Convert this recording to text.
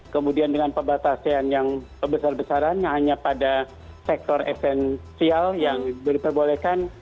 kemudian dengan pembatasan yang besar besarannya hanya pada sektor esensial yang diperbolehkan